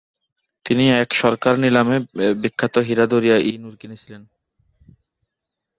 তিনি এক সরকার নিলামে বিখ্যাত হীরা দরিয়া-ই-নূর কিনেছিলেন।